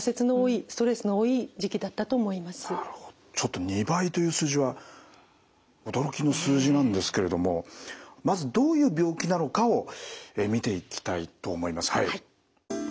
ちょっと２倍という数字は驚きの数字なんですけれどもまずどういう病気なのかを見ていきたいと思います。